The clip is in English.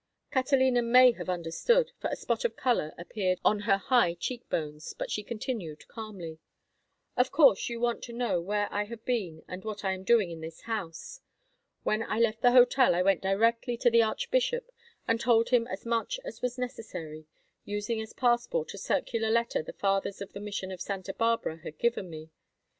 Catalina may have understood, for a spot of color appeared on her high cheek bones, but she continued, calmly: "Of course you want to know where I have been and what I am doing in this house. When I left the hotel I went directly to the archbishop and told him as much as was necessary, using as passport a circular letter the fathers of the mission of Santa Barbara had given me.